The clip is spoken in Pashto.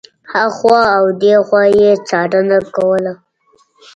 هخوا او دېخوا یې څارنه کوله.